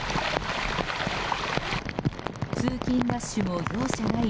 通勤ラッシュも容赦ない